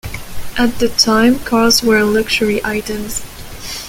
At the time, cars were luxury items.